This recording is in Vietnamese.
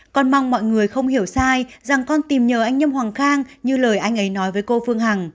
con mong mọi người không hiểu sai rằng con tìm nhờ anh nhâm hoàng khang như lời anh ấy nói với cô phương hằng